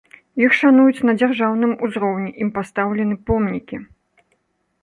Іх шануюць на дзяржаўным узроўні, ім пастаўлены помнікі.